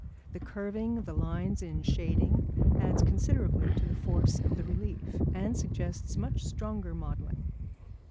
The curving of the lines in shading adds considerably to the force of the relief, and suggests much stronger modelling.